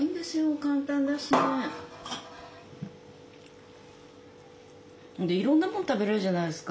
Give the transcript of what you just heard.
簡単だしね。でいろんなもん食べれるじゃないですか。